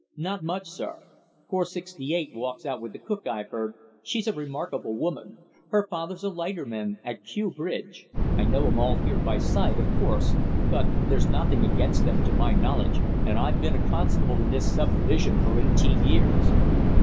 "Not much, sir. Six forty eight walks out with the cook, I've heard. She's a respectable woman. Her father's a lighterman at Kew Bridge. I know 'em all here by sight, of course. But there's nothing against them, to my knowledge, and I've been a constable in this sub division for eighteen years."